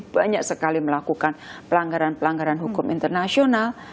banyak sekali melakukan pelanggaran pelanggaran hukum internasional